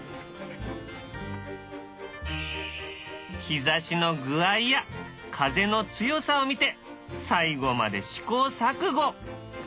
日ざしの具合や風の強さを見て最後まで試行錯誤。